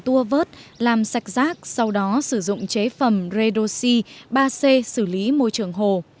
tua vớt làm sạch rác sau đó sử dụng chế phẩm redoxi ba c xử lý môi trường hồ